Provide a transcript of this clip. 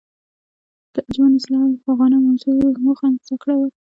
د انجمن اصلاح الافاغنه موخه زده کړه وه.